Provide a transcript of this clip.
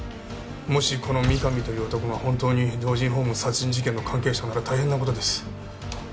もしこの三上という男が本当に老人ホーム殺人事件の関係者なら大変な事です。